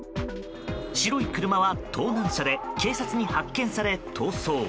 白い車は盗難車で警察に発見され逃走。